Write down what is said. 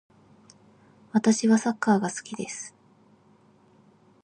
私はサッカーが好きです。